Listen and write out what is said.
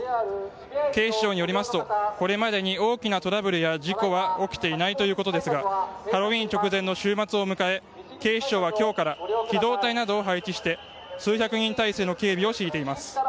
警視庁によりますとこれまでに大きなトラブルや事故は起きていないということですがハロウィーン直前の週末を迎え警視庁は今日から機動隊などを配置して数百人態勢の警備を敷いています。